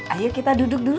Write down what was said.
ayo kita duduk dulu